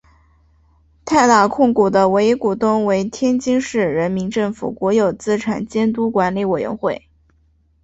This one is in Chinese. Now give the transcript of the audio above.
泰达控股的唯一股东为天津市人民政府国有资产监督管理委员会。